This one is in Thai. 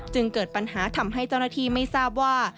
เกิดปัญหาทำให้เจ้าหน้าที่ไม่ทราบว่า